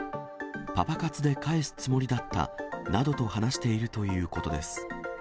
パパ活で返すつもりだったなどと話しているということです。